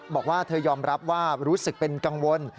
บอกว่าเธอยอมรับว่ารู้สึกเป็นกังวล